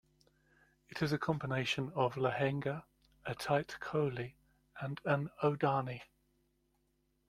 It is a combination of "lehenga", a tight "choli" and an "odhani".